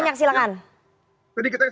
ini waktu kita sudah tidak banyak silakan